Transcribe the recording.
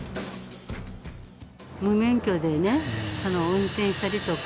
無免許でね、運転したりとか、